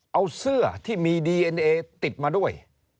เอาเสื้อที่มีดีเอ็นเอติดมาด้วย